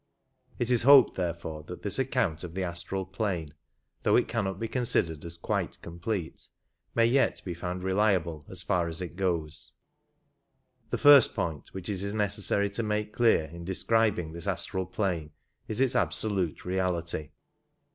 It is hoped, therefore, that this account of the astral plane, though it cannot be considered as quite complete, may yet be found reliable as far as it goes. The first point which it is necessary to make clear in describing this astral plane is its absolute reality.